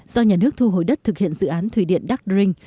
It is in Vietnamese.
do nhà nước thu hồi đất thực hiện dự án thủy điện đắc rinh